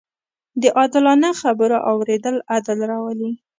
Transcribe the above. د عادلانه خبرو اورېدل عدل راولي